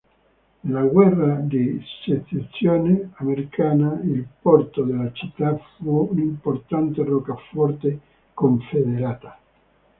Nella guerra di secessione americana il porto della città fu un'importante roccaforte confederata.